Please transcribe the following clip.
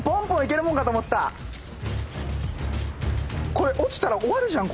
これ落ちたら終わるじゃん